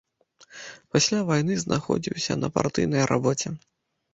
Пасля вайны знаходзіўся на партыйнай рабоце.